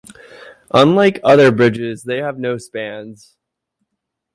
Unlike other bridges, they have no spans.